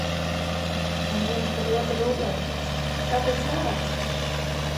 Un viens par otru rūpējamies Tāpēc, nāc!